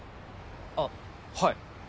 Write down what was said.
あっはい。